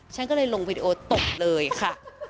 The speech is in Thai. ฉันก็เลยลงวิดีโอตบเลยค่ะ